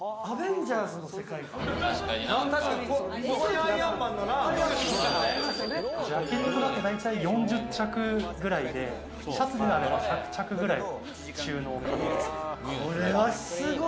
ジャケットだと大体４０着くらいで、シャツであれば１００着ぐらい収納可能です。